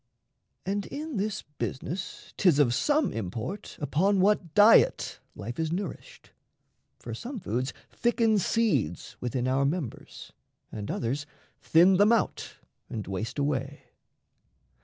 And in this business 'tis of some import Upon what diet life is nourished: For some foods thicken seeds within our members, And others thin them out and waste away.